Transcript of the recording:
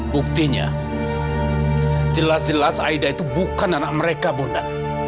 buktinya jelas jelas aida itu bukan anak mereka bunda